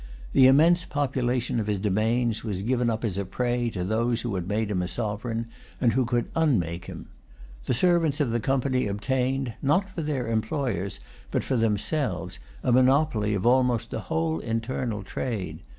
The immense population of his dominions was given up as a prey to those who had made him a sovereign, and who could unmake him. The servants of the Company obtained, not for their employers, but for themselves, a monopoly of almost the whole internal trade.